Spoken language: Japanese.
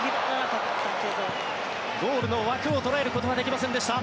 ゴールの枠を捉えることはできませんでした。